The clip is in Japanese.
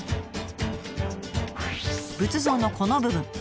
仏像のこの部分。